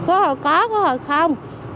có hồi có có hồi không